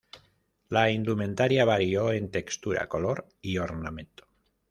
La Indumentaria varió en textura, color y ornamento.